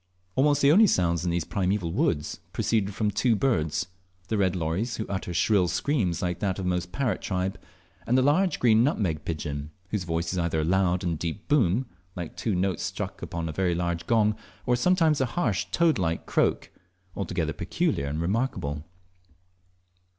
Almost the only sounds in these primeval woods proceeded from two birds, the red lories, who utter shrill screams like most of the parrot tribe, and the large green nutmeg pigeon, whose voice is either a loud and deep boom, like two notes struck upon a very large gong, or sometimes a harsh toad like croak, altogether peculiar and remarkable.